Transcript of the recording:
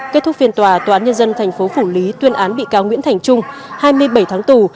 kết thúc phiên tòa tòa án nhân dân thành phố phủ lý tuyên án bị cáo nguyễn thành trung hai mươi bảy tháng tù